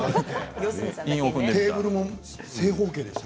テーブルも正方形だった。